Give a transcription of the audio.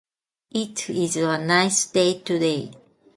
It is a nice day today.